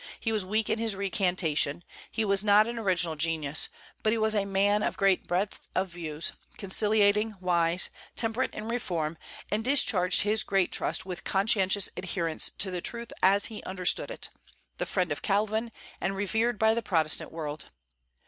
he was weak in his recantation; he was not an original genius, but he was a man of great breadth of views, conciliating, wise, temperate in reform, and discharged his great trust with conscientious adherence to the truth as he understood it; the friend of Calvin, and revered by the Protestant world.